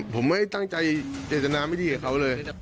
ผมไม่ตั้งใจเจตนาไม่ดีกับเขาเลย